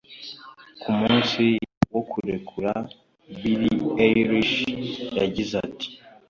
Ku munsi wo kurekura Billie Eilish yagize ati